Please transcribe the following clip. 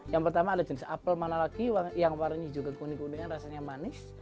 yang pertama ada jenis apel mana lagi yang warnanya juga kuning kuningan rasanya manis